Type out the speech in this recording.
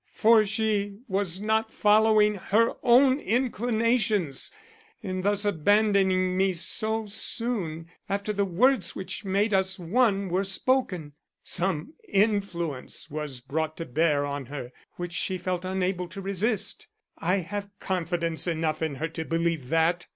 For she was not following her own inclinations in thus abandoning me so soon after the words which made us one were spoken. Some influence was brought to bear on her which she felt unable to resist. I have confidence enough in her to believe that.